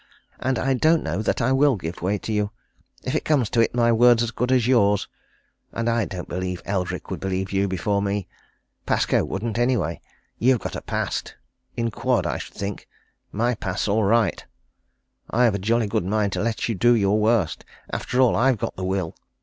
And I don't know that I will give way to you. If it comes to it, my word's as good as yours and I don't believe Eldrick would believe you before me. Pascoe wouldn't anyway. You've got a past! in quod, I should think my past's all right. I've a jolly good mind to let you do your worst after all, I've got the will.